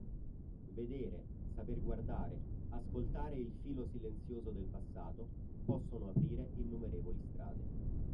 Vedere, saper guardare, ascoltare il filo ‘silenzioso' del passato, possono aprire innumerevoli strade.